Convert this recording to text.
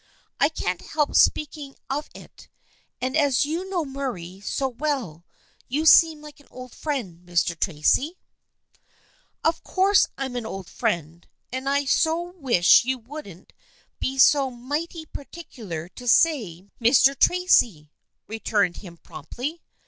" I can't help speaking of it, and as you know Murray so well you seem like an old friend, Mr. Tracy." " Of course I'm an old friend, and so I wish you wouldn't be so mighty particular to say ' Mr. Tracy,' " returned he promptly.